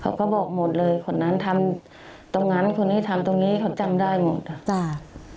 เขาบอกหมดเลยคนนั้นทำตรงนั้นคนนี้ทำตรงนี้เขาจำได้หมดอ่ะจ้า